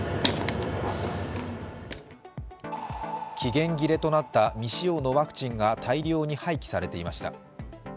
期限切れとなった未使用のワクチンが大量に廃棄されていました。